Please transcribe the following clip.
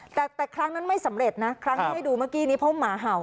แต่ครั้งนั้นไม่สำเร็จนะครั้งที่ให้ดูเมื่อกี้นี้เพราะหมาเห่า